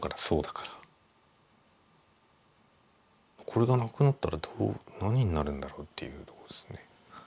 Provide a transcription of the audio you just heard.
これがなくなったら何になるんだろうっていうとこですね。